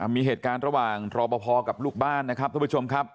มีเหตุการณ์ระหว่างรอปภกับลูกบ้านนะครับท่านผู้ชมครับ